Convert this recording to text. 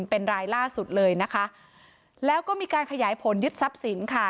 เป็นรายล่าสุดเลยนะคะแล้วก็มีการขยายผลยึดทรัพย์สินค่ะ